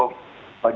rok kita belum habis